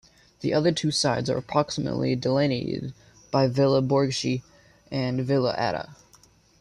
The other two sides are approximately delineated by Villa Borghese and Villa Ada.